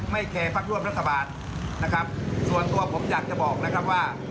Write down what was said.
แคร์พักร่วมรัฐบาลนะครับส่วนตัวผมอยากจะบอกนะครับว่า